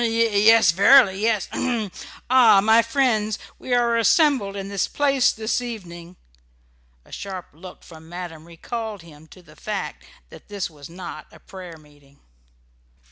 "Yes, verily, yes h m! A my friends, we are assembled in this place this evening " A sharp look from madam recalled him to the fact that this was not a prayer meeting.